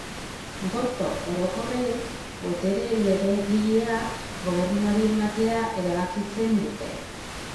Gorte Orokorrek, botere legegilea Gobernuari ematea erabakitzen dute.